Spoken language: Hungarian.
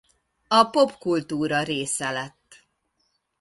A popkultúra része lett.